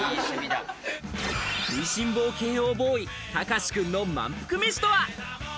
食いしん坊慶應ボーイ・隆志くんの満腹飯とは？